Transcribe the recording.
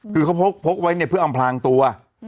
คือเขาพกไว้เนี่ยเพื่ออำพลางตัว